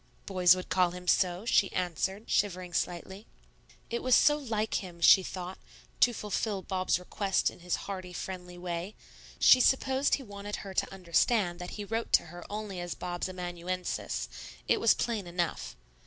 "Boys would call him so," she answered, shivering slightly. It was so like him, she thought, to fulfil Bob's request in his hearty, friendly way; she supposed he wanted her to understand that he wrote to her only as Bob's amanuensis, it was plain enough.